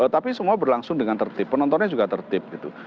tapi semua berlangsung dengan tertib penontonnya juga tertib gitu